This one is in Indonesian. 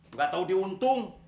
tidak tahu diuntung